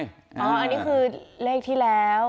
อันนี้คือเลขที่แล้ว